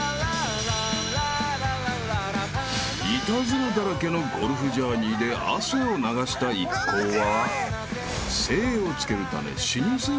［イタズラだらけのゴルフジャーニーで汗を流した一行は］